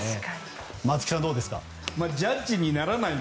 松木さん、どうですか？